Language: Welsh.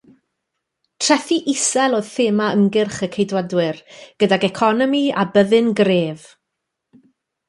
Trethi isel oedd thema ymgyrch y Ceidwadwyr, gydag economi a byddin gref.